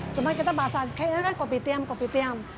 cuma kita bahasa keknya kan kopi tiam kopi tiam